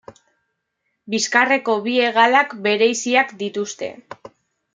Bizkarreko bi hegalak bereiziak dituzte.